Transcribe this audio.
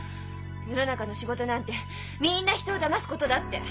「世の中の仕事なんてみんな人をだますことだ」って。